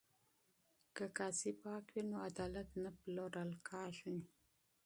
که قاضي پاک وي نو عدالت نه پلورل کیږي.